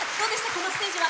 このステージは。